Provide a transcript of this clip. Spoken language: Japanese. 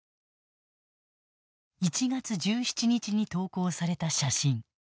１月１７日に投稿された写真。